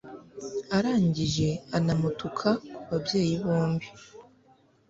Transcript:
arangije anamutuka ku babyeyi bombi